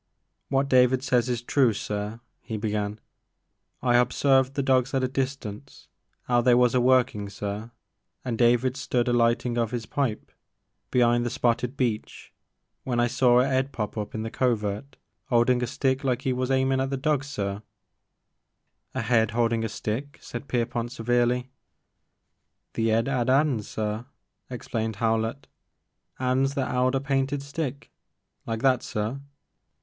" What David says is true sir,'* he began ;" I h*observed the dogs at a distance *ow they was a workin' sir, and David stood a lightin' of 's pipe be'ind the spotted beech when I see a 'ead pop up in the covert *oldin a stick like *e was h'aimin' at the dogs sir — A head holding a stick?" said Pierpont severely. "The *ead 'ad *ands, sir,'* explained Howlett, *ands that *eld a painted stick, — like that, sir.